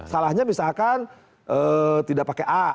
salahnya misalkan tidak pakai a